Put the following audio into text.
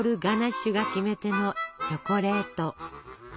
ガナッシュがキメテのチョコレート。